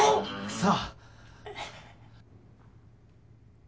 さあ？